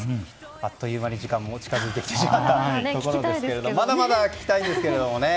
あっという間に時間も近づいてきてしまったところですがまだまだ聞きたいんですがね。